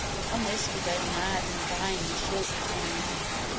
On this we go mad and die in a short time.